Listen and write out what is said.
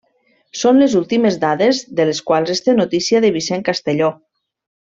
Són les últimes dades de les quals es té notícia de Vicent Castelló.